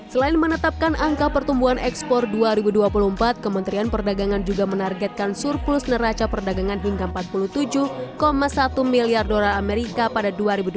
selain menetapkan angka pertumbuhan ekspor dua ribu dua puluh empat kementerian perdagangan juga menargetkan surplus neraca perdagangan hingga empat puluh tujuh satu miliar dolar amerika pada dua ribu dua puluh tiga